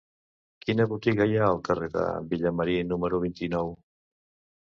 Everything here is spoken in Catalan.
Quina botiga hi ha al carrer de Vilamarí número vint-i-nou?